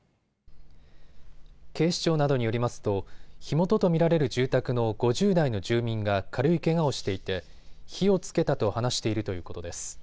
警視庁などによりますと火元と見られる住宅の５０代の住民が軽いけがをしていて火をつけたと話しているということです。